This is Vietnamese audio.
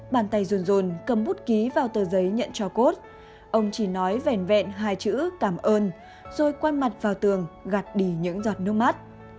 bàn tay run run cầm bút ký vào tờ giấy nhận trào cốt ông chỉ nói vèn vẹn hai chữ cảm ơn rồi quay mặt vào tường gạt đi những giọt nước mắt